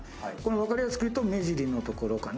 分かりやすくいうと、目尻のところかな。